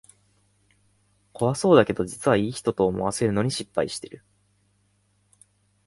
怖そうだけど実はいい人、と思わせるのに失敗してる